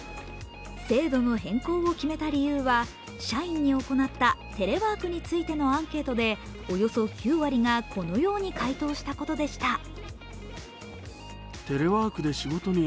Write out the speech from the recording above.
制度の変更を決めた理由は社員に行ったテレワークについてのアンケートでおよそ９割がこのように回答したことでした。